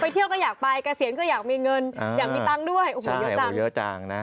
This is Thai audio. เที่ยวก็อยากไปเกษียณก็อยากมีเงินอยากมีตังค์ด้วยโอ้โหเยอะจังเยอะจังนะ